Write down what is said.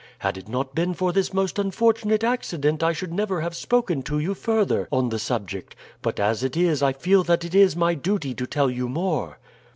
Had it not been for this most unfortunate accident I should never have spoken to you further on the subject, but as it is I feel that it is my duty to tell you more.